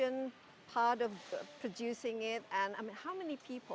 berapa banyak orang yang bekerja di dalam tanaman ini